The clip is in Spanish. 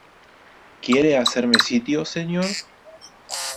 ¿ quiere hacerme sitio, señor?